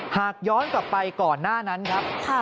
หากย้อนกลับไปก่อนหน้านั้นครับ